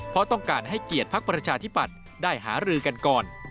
เพราะต้องการให้เกียรติภักดิ์ประชาธิปัตย์ได้หารือกันก่อน